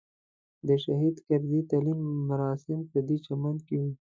د شهید کرزي تلین مراسم پدې چمن کې وو.